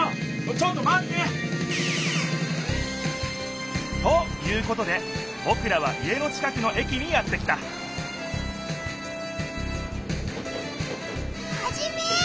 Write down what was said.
ちょっとまって！ということでぼくらは家の近くの駅にやって来たハジメ！